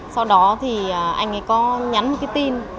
sau đó thì anh ấy có nhắn một cái tin